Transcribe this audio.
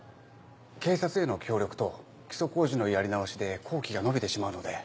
警察への協力と基礎工事のやり直しで工期が延びてしまうので。